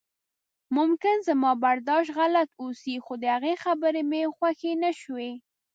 ممکن زما برداشت غلط اوسي خو د هغې خبرې مې خوښې نشوې.